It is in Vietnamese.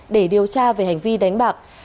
để điều tra về hành vi đánh bạc